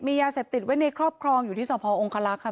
มียาเสพติดไว้ในครอบครองอยู่ที่สมพองค์องค์ฤคอลักษณ์ค่ะ